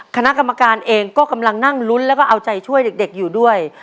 คณะกรรมการเองก็กำลังนั่งลุ้นแล้วก็เอาใจช่วยเด็กอยู่ด้วย